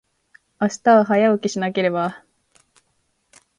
明日は、早起きしなければ。